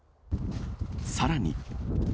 さらに。